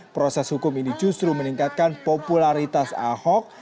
proses hukum ini justru meningkatkan popularitas ahok